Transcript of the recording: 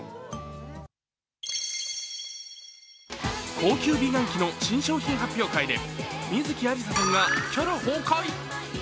高級美顔器の新商品発表会で観月ありささんがキャラ崩壊！